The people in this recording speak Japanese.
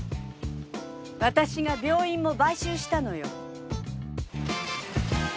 私が病院も買収したのよ。